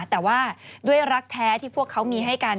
แต่ว่าด้วยรักแท้ที่พวกเขามีให้กัน